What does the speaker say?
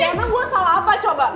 karena gue salah apa coba